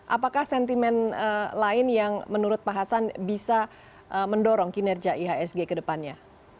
apakah sentimen lain yang menurut pak hasan bisa mendorong kinerja ihsg ke depannya